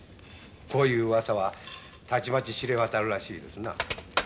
こういううわさはたちまち知れ渡るらしいですな。